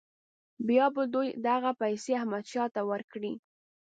بیا به دوی دغه پیسې احمدشاه ته ورکړي.